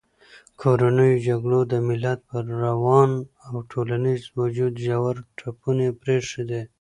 کورنیو جګړو د ملت پر روان او ټولنیز وجود ژور ټپونه پرېښي دي.